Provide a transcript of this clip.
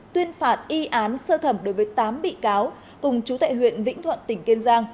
tuyên phạt y án sơ thẩm đối với tám bị cáo cùng chú tệ huyện vĩnh thuận tỉnh kiên giang